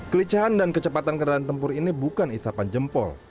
kelicahan dan kecepatan kendaraan tempur ini bukan isapan jempol